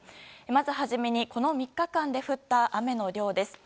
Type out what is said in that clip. まず初めに、この３日間で降った雨の量です。